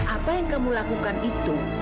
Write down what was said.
apa yang kamu lakukan itu